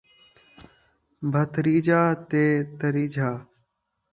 بھتریجا تے تریجھا